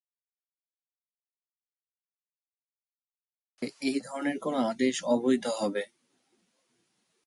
Bishop Blaha ঘোষণা করেছিলেন যে, এই ধরনের কোনো আদেশ অবৈধ হবে।